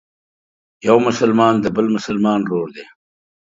یو مسلمان د بل مسلمان ورور دی.